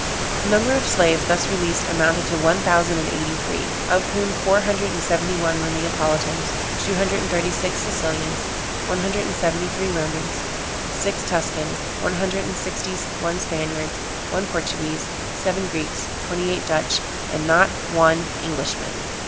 The number of slaves thus released amounted to one thousand and eighty three, of whom four hundred and seventy one were Neapolitans, two hundred and thirty six Sicilians, one hundred and seventy three Romans, six Tuscans, one hundred and sixty one Spaniards, one Portuguese, seven Greeks, twenty eight Dutch, and not one Englishman.